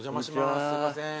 すいません。